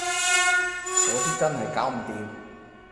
嗰啲真係搞唔掂